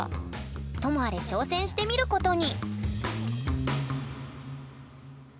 ともあれ挑戦してみることに！